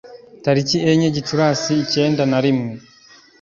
Tariki enye Gicurasi, ikenda na rimwe